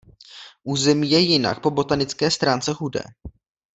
Území je jinak po botanické stránce chudé.